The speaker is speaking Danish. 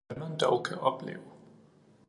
Hvad man dog kan opleve